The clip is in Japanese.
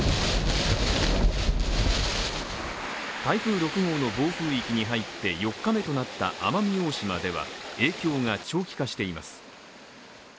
台風６号の暴風域に入って４日目となった奄美大島では、影響が長期化しています。